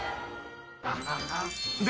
で